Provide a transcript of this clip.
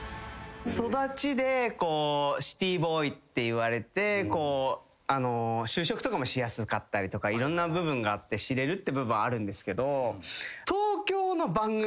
育ちでこうシティーボーイっていわれて就職とかもしやすかったりとかいろんな部分があって知れるって部分あるんですけど。